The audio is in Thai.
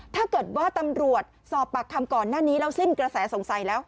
ถ้าเกิดว่าตำรวจสอบปากคำก่อนหน้านี้แล้วสิ้นกระแสสงสัยแล้ว